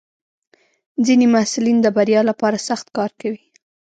ځینې محصلین د بریا لپاره سخت کار کوي.